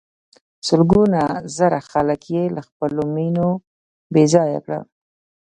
سلګونه زره خلک یې له خپلو مېنو بې ځایه کړل.